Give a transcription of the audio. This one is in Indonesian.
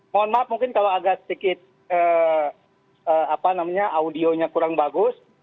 mohon maaf mungkin kalau agak sedikit audionya kurang bagus